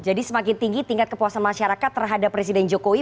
jadi semakin tinggi tingkat kepuasan masyarakat terhadap presiden jokowi